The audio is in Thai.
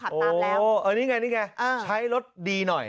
นี่ไงนี่ไงใช้รถดีหน่อย